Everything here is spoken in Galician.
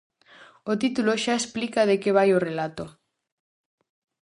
O título xa explica de que vai o relato.